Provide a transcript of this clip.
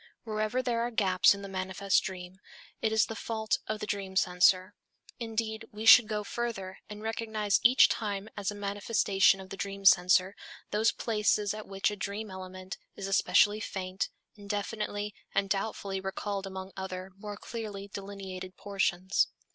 Wherever there are gaps in the manifest dream, it is the fault of the dream censor. Indeed, we should go further, and recognize each time as a manifestation of the dream censor, those places at which a dream element is especially faint, indefinitely and doubtfully recalled among other, more clearly delineated portions.